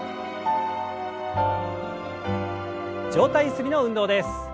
上体ゆすりの運動です。